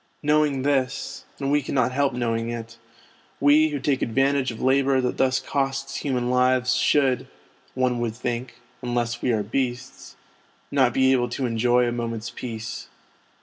Knowing this (and we cannot help knowing it), we, who take advantage of labour that thus costs human lives should, one would think (unless we are beasts), not be able to enjoy a moment's peace.